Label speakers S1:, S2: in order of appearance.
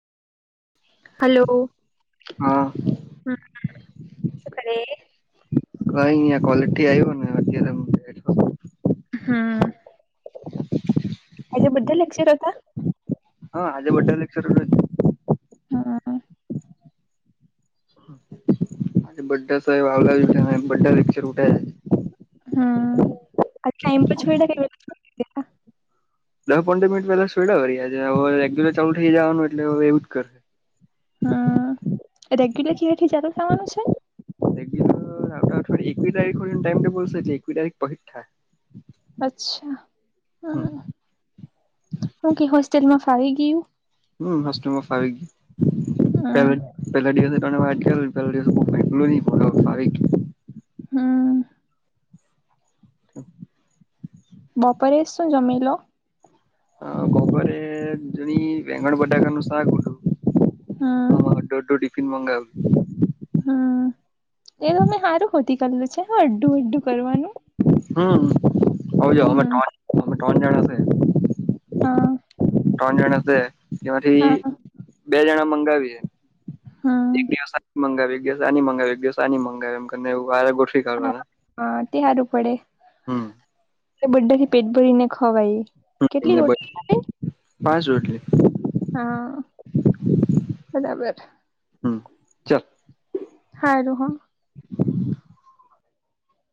S1: Hello
S2: હા
S1: હ શું કરે
S2: કઈ અં ક્વલિટી આયવો હો ને અત્યારે બેઠો છું.
S1: હમ. આજે બધા લેક્ચર હતા
S2: હા આજે બડા લેક્ચર હતા
S1: હું હું. [unintelligible]
S2: આે બ્ડા સાહેબ આવ્ચ બ્ડા પિકક્ચર ઉઠાય
S1: [inaudible]
S2: દસ પંદર મિનિટ પેલા સુેડવારી્યાજ હવે રેગ્યુલર ચાલુ થઈ જવાનું એટલે હ એવું જ કરે
S1: હા રેગ્યુલર ખી થી ચાલ ખાવાનું છે.
S2: રેગ્યુલર આવતા એકવી તારીખર ટાઈમ ટેબલ છે એકઈ તારીખ પરીક્ષા
S1: અચ્છા હમ હું કે હોસ્ટેલમાં ફાવી ગયું
S2: હમ્મ હોસ્ટેલમાં ફાવી ગયું
S1: હમ
S2: પહેલે જ પહેલા દિવસ તમે વાત કરેલી [unintelligible]
S1: હમ્મ.
S2: [unintelligible]
S1: બપોરે શું જમી લો.
S2: હ બપોરે જણી રેગણ બટાકા નું શાક હોતું.
S1: હમ
S2: હા અડો અડો ટિફિન મંગાવ
S1: હ એવું મે હારું હોતી કરલું છે હ અડ્ડું અડ્ડું કરવાનું.
S2: હમ્મ હવે જો અમે
S1: હમ
S2: ત્રણ અમે ત્રણ જણાશે.
S1: હા
S2: ત્રણ જણાશે તેમાંથી
S1: હા
S2: બે જણા મંગાવીએ.
S1: હમ્મ.
S2: એક દિવસ મંગાવી દિવ આ મંગાવી દિવસ આ મંગાવી એમ વારેઠ
S1: હ હા તે હારું પડે,
S2: હમ
S1: એટલે બધાથી પેટ ભરીને ખવાય.
S2: હમ્મ
S1: કેટલી
S2: એમના પર
S1: રોટી આવે
S2: પાંચ રોટલી.
S1: હા, બરાબર.
S2: હમ ચાલ
S1: હારું હ.